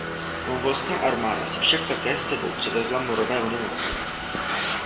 Mongolská armáda si však také s sebou přivezla morové onemocnění.